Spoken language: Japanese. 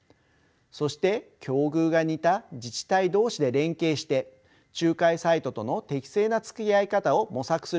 そして境遇が似た自治体同士で連携して仲介サイトとの適正なつきあい方を模索することも有益でしょう。